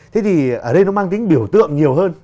thế thì ở đây nó mang tính biểu tượng nhiều hơn